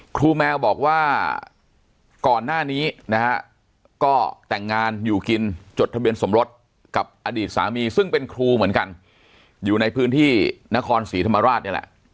ครูแมวบอกว่าก่อนหน้านี้นะฮะก็แต่งงานอยู่กินจดทะเบียนสมรสกับอดีตสามีซึ่งเป็นครูเหมือนกันอยู่ในพื้นที่นครศรีธรรมราชนี่แหละ